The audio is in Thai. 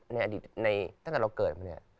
ตั้งแต่เราเกิดมาเนี่ย